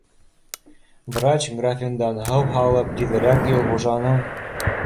Врач графиндан һыу һалып, тиҙерәк Илғужаның